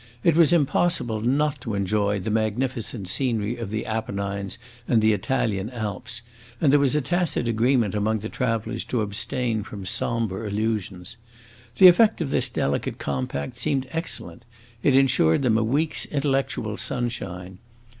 It was impossible not to enjoy the magnificent scenery of the Apennines and the Italian Alps, and there was a tacit agreement among the travelers to abstain from sombre allusions. The effect of this delicate compact seemed excellent; it ensured them a week's intellectual sunshine.